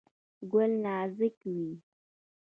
ګل نازک وي.